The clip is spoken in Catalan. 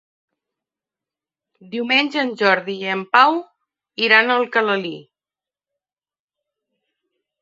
Diumenge en Jordi i en Pau iran a Alcalalí.